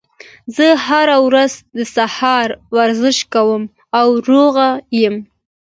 زه هره ورځ د سهار ورزش کوم او روغ یم